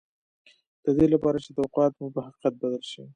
د دې لپاره چې توقعات مو په حقیقت بدل شي